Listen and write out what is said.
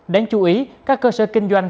đáng chú ý các cơ sở kinh doanh